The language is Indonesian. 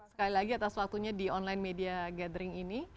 sekali lagi atas waktunya di online media gathering ini